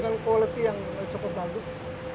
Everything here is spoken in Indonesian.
dengan quality yang cukup bagus